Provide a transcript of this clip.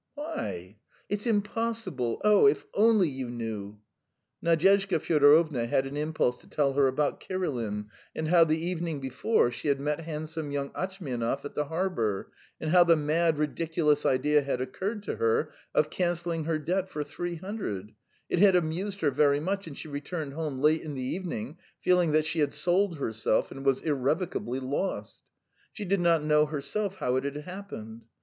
"Why?" "It's impossible. Oh, if only you knew!" Nadyezhda Fyodorovna had an impulse to tell her about Kirilin, and how the evening before she had met handsome young Atchmianov at the harbour, and how the mad, ridiculous idea had occurred to her of cancelling her debt for three hundred; it had amused her very much, and she returned home late in the evening feeling that she had sold herself and was irrevocably lost. She did not know herself how it had happened.